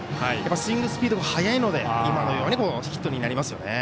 スイングスピードが速いので今のようにヒットになりますよね。